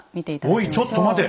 おいちょっと待て。